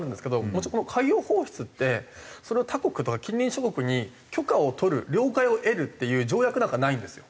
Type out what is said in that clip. もちろんこの海洋放出ってそれを他国とか近隣諸国に許可を取る了解を得るっていう条約なんかないんですよ。